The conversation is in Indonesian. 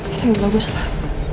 itu yang bagus lah